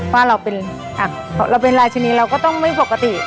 ว่าเราเป็นรายชนิดเราก็ต้องไม่ปกติ